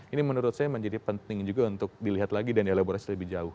ini menurut saya menjadi penting juga untuk dilihat lagi dan dielaborasi lebih jauh